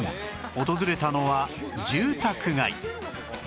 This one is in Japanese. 訪れたのは住宅街